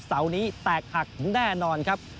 เสานี้แตกหักแน่นอนครับ